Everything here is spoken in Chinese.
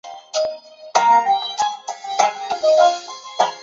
炎魔斑是冥王星暗黑色指节套环系列中最大的一节。